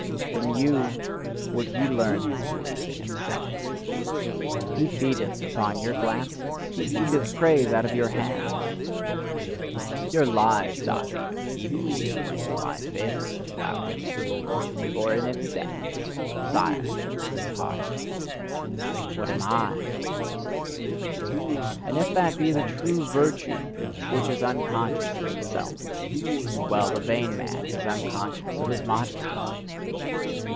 From you would he learn his belief in himself; he feedeth upon your glances, he eateth praise out of your hands. Your lies doth he even believe when you lie favourably about him: for in its depths sigheth his heart: "What am I?" And if that be the true virtue which is unconscious of itself well, the vain man is unconscious of his modesty!